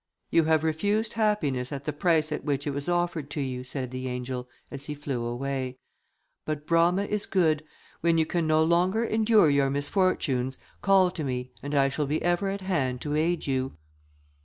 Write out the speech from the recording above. "You have refused happiness at the price at which it was offered to you," said the angel, as he flew away; "but Brama is good; when you can no longer endure your misfortunes, call to me, and I shall be ever at hand to aid you."